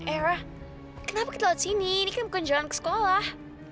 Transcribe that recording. era kenapa kita lewat sini ini kan bukan jalan ke sekolah